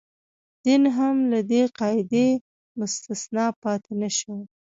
دین هم له دې قاعدې مستثنا پاتې نه شو.